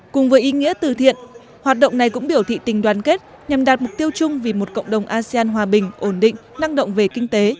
cùng với ý nghĩa từ thiện hoạt động này cũng biểu thị tình đoàn kết nhằm đạt mục tiêu chung vì một cộng đồng asean hòa bình ổn định năng động về kinh tế